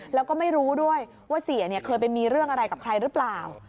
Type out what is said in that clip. แล้วก็ไม่รู้ด้วยว่าเสียเคยไปมีเรื่องอะไรกับใครหรือเปล่า